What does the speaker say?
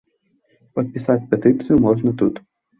Падпісаць петыцыю можна тут.